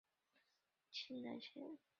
清南线